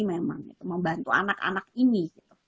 memang itu membantu anak anak ini